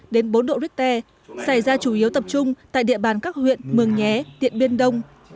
đến bốn độ richter xảy ra chủ yếu tập trung tại địa bàn các huyện mường nhé điện biên đông